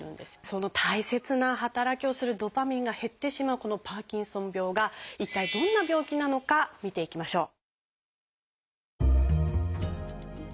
その大切な働きをするドパミンが減ってしまうこのパーキンソン病が一体どんな病気なのか見ていきましょう。